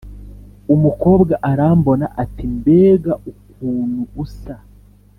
Umukobwa arambona, ati: mbega ukunu usa